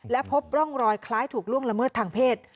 และพบร่องรอยคล้ายถูกล่วงละเมิดทางเพศ